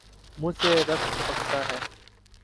منہ سے رس ٹپکتا ہے